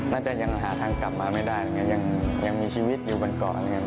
น่าจะยังหาทางกลับมาไม่ได้ยังมีชีวิตอยู่บนก่อ